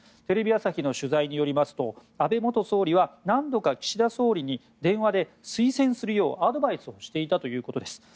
テレビ朝日の取材によりますと安倍元総理は何度か岸田総理に電話で推薦するようアドバイスをしていたということです。